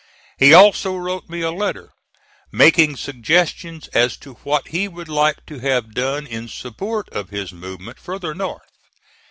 He also wrote me a letter, making suggestions as to what he would like to have done in support of his movement farther north.